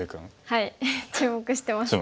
はい注目してます。